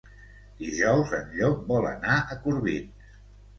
Dijous en Llop vol anar a Corbins.